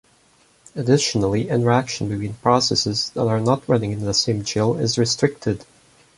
Additionally, interaction between processes that are not running in the same jail is restricted.